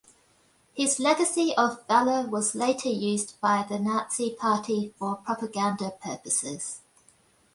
His legacy of valor was later used by the Nazi Party for propaganda purposes.